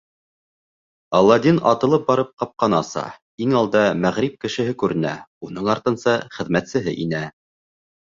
Аладдин атылып барып ҡапҡаны аса, иң алда мәғриб кешеһе күренә, уның артынса хеҙмәтсеһе инә.